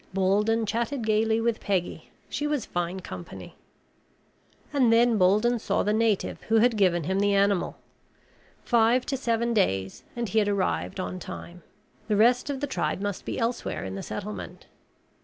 Bolden chatted gaily with Peggy. She was fine company. And then Bolden saw the native who had given him the animal. Five to seven days, and he had arrived on time. The rest of the tribe must be elsewhere in the settlement.